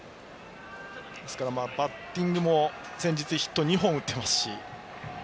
ですから、バッティングも先日ヒットを２本打っていますし。